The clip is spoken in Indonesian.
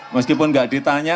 meskipun gak ditanya